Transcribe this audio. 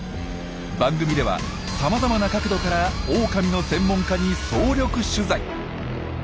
番組ではさまざまな角度からオオカミの専門家に総力取材。